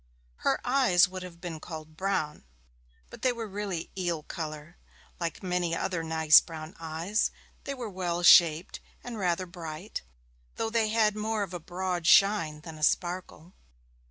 Her eyes would have been called brown, but they were really eel colour, like many other nice brown eyes; they were well shaped and rather bright, though they had more of a broad shine than a sparkle.